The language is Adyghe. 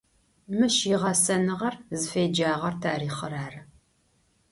Мыщ игъэсэныгъэр, зыфеджагъэр тарихъыр ары.